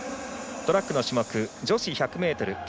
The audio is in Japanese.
トラックの種目女子１００ｍＴ